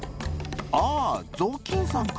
「ああぞうきんさんか。